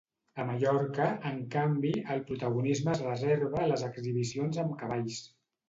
A Mallorca, en canvi, el protagonisme es reserva a les exhibicions amb cavalls.